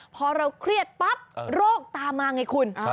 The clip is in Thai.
พอเราเครียดปั๊บโรคตามมาไงคุณ